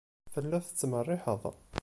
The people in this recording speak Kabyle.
Telliḍ tettmerriḥeḍ.